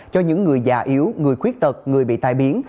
cho những người già yếu người khuyết tật người bị tai biến